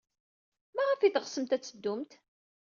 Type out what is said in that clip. Maɣef ay teɣsemt ad teddumt?